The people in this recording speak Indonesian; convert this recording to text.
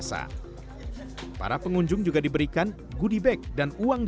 saya bernyanyi ya tuhan